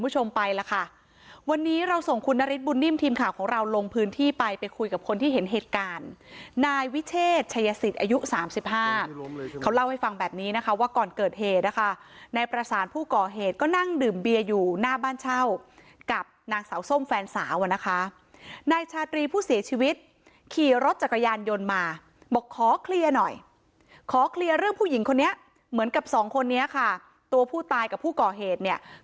ชมไปแล้วค่ะวันนี้เราส่งคุณนฤทธิ์บุญนิ่มทีมข่าวของเราลงพื้นที่ไปไปคุยกับคนที่เห็นเหตุการณ์นายวิเทศชายศิษย์อายุสามสิบห้าเขาเล่าให้ฟังแบบนี้นะคะว่าก่อนเกิดเหตุนะคะในประสานผู้ก่อเหตุก็นั่งดื่มเบียร์อยู่หน้าบ้านเช่ากับนางสาวส้มแฟนสาวนะคะในชาตรีผู้เสียชีวิตขี่รถจักรยานยนต์